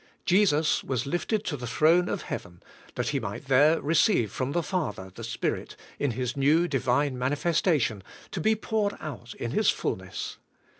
Jesus was lifted to the throne of heaven, that He might there receive from the Father the Spirit in His new, divine manifestation, to be poured out in His full ness.